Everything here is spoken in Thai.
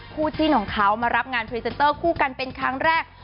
คู่จิ้นของเขามารับงานพรีเซนเตอร์คู่กันเป็นครั้งแรก